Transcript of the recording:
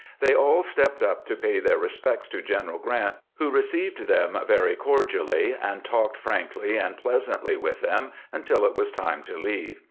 They all stepped up to pay their respects to General Q rant, who received them very cordially, and talked frankly and pleasantly with them until it was time to leave.